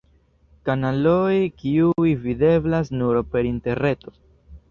Kanaloj kiuj videblas nur per Interreto.